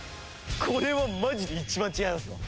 これはマジで一番違いますわ。